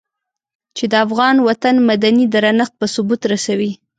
چې د افغان وطن مدني درنښت په ثبوت رسوي.